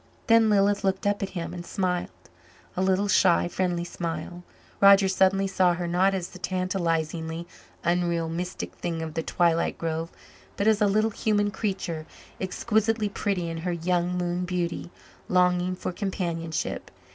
Then Lilith looked up at him and smiled. A little shy, friendly smile. Roger suddenly saw her not as the tantalizing, unreal, mystic thing of the twilit grove, but as a little human creature, exquisitely pretty in her young moon beauty, longing for companionship.